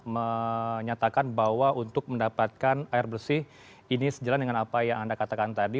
menyatakan bahwa untuk mendapatkan air bersih ini sejalan dengan apa yang anda katakan tadi